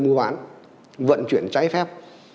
mua bán vận chuyển trái phép